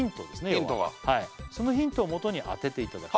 要はヒントがそのヒントをもとに当てていただく